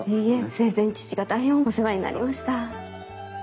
生前父が大変お世話になりました。